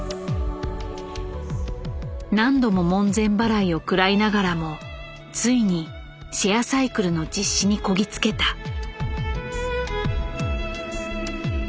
何度も門前払いを食らいながらもついにシェアサイクルの実施にこぎ着けた。